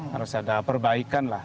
harus ada perbaikan lah